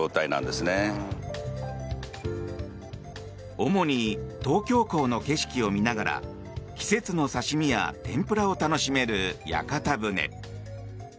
主に、東京港の景色を見ながら季節の刺し身や天ぷらを楽しめる屋形船。